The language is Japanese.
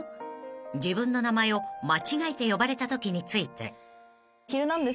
［自分の名前を間違えて呼ばれたときについて］